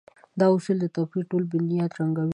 دا اصول د توپير ټول بنيادونه ړنګوي.